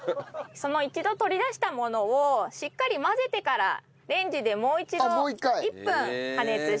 その一度取り出したものをしっかり混ぜてからレンジでもう一度１分加熱します。